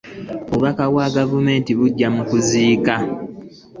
Obubaka bwa gavumenti bwa kujja mu kuziika